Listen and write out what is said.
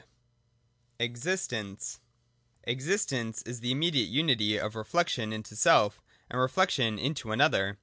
(6) Existence. 123.] Existence is the immediate unity of reflection into self and reflection into another.